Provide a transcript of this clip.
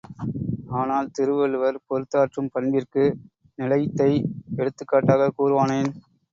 ஆனால் திருவள்ளுவர் பொறுத்தாற்றும் பண்பிற்கு நிலைத்தை எடுத்துக்காட்டாகக் கூறுவானேன்?